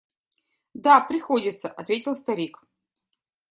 – Да, приходится, – ответил старик.